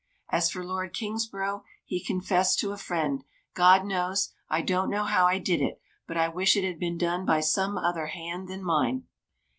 As for Lord Kingsborough, he confessed to a friend: "God knows, I don't know how I did it; but I wish it had been done by some other hand than mine!"